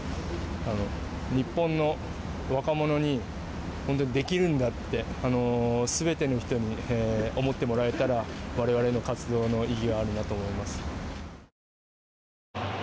日本の若者に本当にできるんだって全ての人に思ってもらえたら我々の活動の意義があるなと思います。